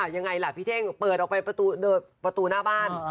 ยังไงล่ะพี่เท่งเปิดออกไปประตูหน้าบ้าน